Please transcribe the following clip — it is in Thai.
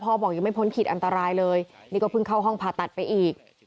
บอกยังไม่พ้นขีดอันตรายเลยนี่ก็เพิ่งเข้าห้องผ่าตัดไปอีก